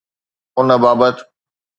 ان بابت